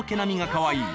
かわいい。